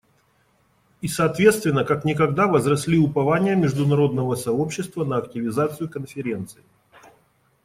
И соответственно, как никогда возросли упования международного сообщества на активизацию Конференции.